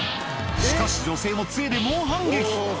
しかし女性もつえで猛反撃！